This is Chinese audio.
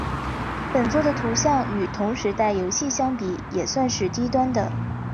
本作的图像与同时代游戏相比也算是低端的。